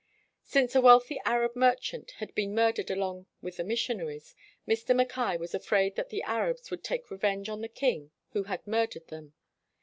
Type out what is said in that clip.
Since a wealthy Arab merchant had been murdered along with the missionaries, Mr. Mackay was afraid that the Arabs would take revenge on the king who had murdered them.